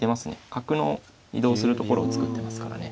角の移動するところを作ってますからね。